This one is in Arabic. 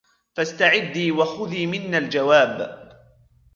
فاستعدي وخذي منا الجواب